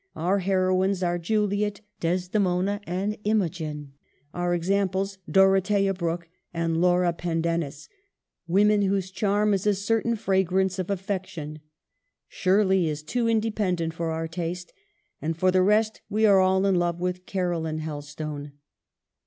Our heroines are Juliet, Desdemona, and Imogen, our examples Dorothea Brooke and Laura Pen dennis, women whose charm is a certain fra grance of affection. Shirley is too independent for our taste; and, for the rest, we are all in love wjth Caroline Helstone.